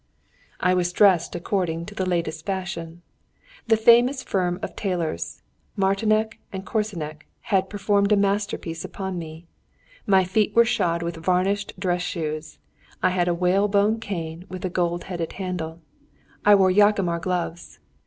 I was dressed according to the latest fashion. The famous firm of tailors, "Martinek and Korsinek," had performed a masterpiece upon me: my feet were shod with varnished dress shoes, I had a whale bone cane with a gold headed handle, I wore Jaquemar gloves.